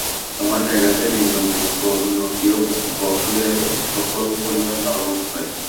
তোমার জায়গাতে নিয়ন্ত্রণ যোগ্য অন্য কেউ বসালে সকল পরিবার, লাভবান হবে।